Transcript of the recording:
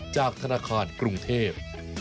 จากธนาคารกรุงเทพ